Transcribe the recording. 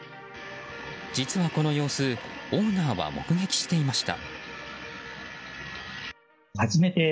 実はこの様子オーナーは目撃していました。